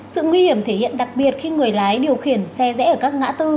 sự nguy hiểm thể hiện đặc biệt khi người lái điều khiển xe rễ ở các ngã tư